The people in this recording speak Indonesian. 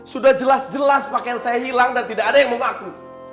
sudah jelas jelas pakaian saya hilang dan tidak ada yang mengaku